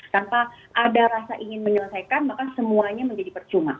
tanpa ada rasa ingin menyelesaikan maka semuanya menjadi percuma